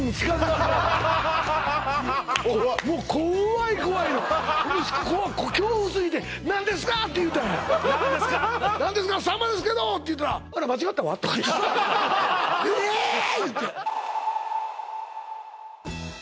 もう怖い怖いの怖い恐怖すぎて何ですかって言うたんや何ですか何ですかさんまですけどっていうたらあら間違ったわってええーっ！？